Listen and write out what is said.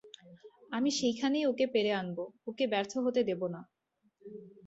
আমি সেইখানেই ওকে পেড়ে আনব, ওকে ব্যর্থ হতে দেব না।